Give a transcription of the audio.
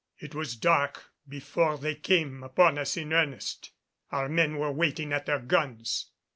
"It was dark before they came upon us in earnest, our men were waiting at their guns.